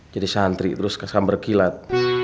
jadi santri terus kesamber kilat